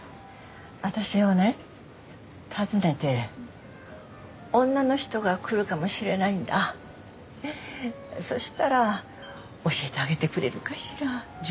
私をね訪ねて女の人が来るそしたら教えてあげてくれるかしら？